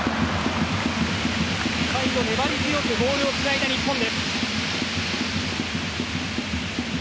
最後、粘り強くボールをつないだ日本です。